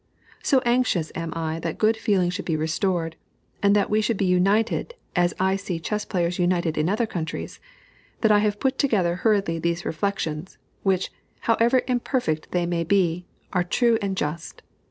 So anxious am I that good feeling should be restored, and that we should be united as I see chess players united in other countries, that I have put together hurriedly these reflections, which, however imperfect they may be, are true and just.